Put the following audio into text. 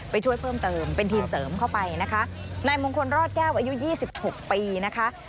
ไปช่วยเพิ่มเติมเป็นทีมเสริมเข้าไปนะคะในมงคลรอดแก้วอายุ๒๖ปีนะคะ